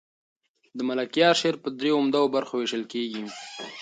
د ملکیار شعر په دریو عمده برخو وېشل کېږي.